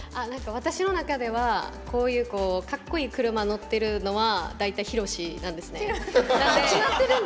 私の中ではこういうかっこいい車乗ってるのは大体「ひろし」なんですね。